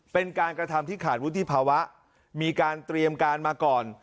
เป็นการกระทำที่ขาดวุฒิภาวะมีการเตรียมการมาก่อน